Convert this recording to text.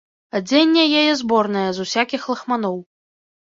Адзенне яе зборнае, з усякіх лахманоў.